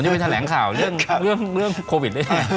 ผมไม่ได้แขลงข่าวเรื่องโควิดด้วย